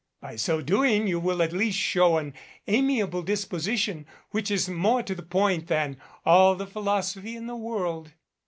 By so doing you will at least show an amiable disposition, which is .more to the point than all the philosophy in the world.